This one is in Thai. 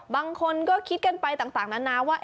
บางคนก็คิดกันไปต่างนานาว่า